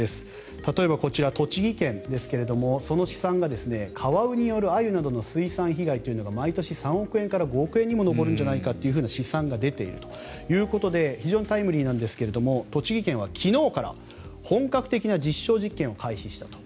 例えばこちら、栃木県ですがその試算がカワウによるアユなどの水産被害というのが毎年３億円から５億円にも上るのではないかという試算が出ているということで非常にタイムリーなんですが栃木県は昨日から本格的な実証実験を開始したと。